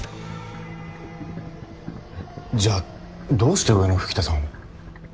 じゃあどうして上の吹田さんを？